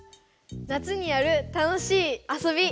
夏にやる楽しいあそび。